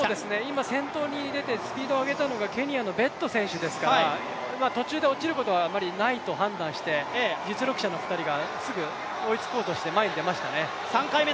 今先頭に出てスピードを揚げたのがケニアのベット選手ですから途中で落ちることはあまりないと判断して、実力者の２人がすぐ追いつこうとして、前に出ましたね。